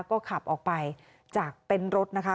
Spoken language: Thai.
ก็ขับออกไปจากเต็นต์รถนะคะ